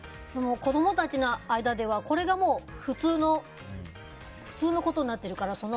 子供たちの間ではこれが普通のことになってるから。